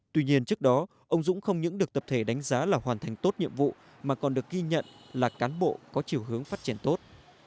tuy nhiên trước đó ông dũng không những được tập thể đánh giá là hoàn thành tốt nhiệm vụ mà còn được ghi nhận là cán bộ có chiều hướng phát triển tốt